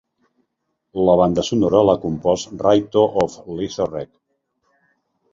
La banda sonora l'ha compost Raito of Lisa-Rec.